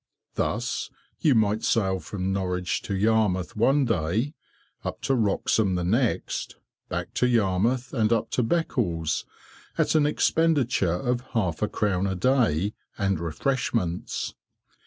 Thus you might sail from Norwich to Yarmouth one day, up to Wroxham the next, back to Yarmouth and up to Beccles, at an expenditure of half a crown a day and refreshments.